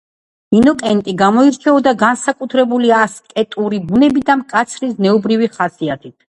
ინოკენტი გამოირჩეოდა განსაკუთრებული ასკეტური ბუნებით და მკაცრი ზნეობრივი ხასიათით.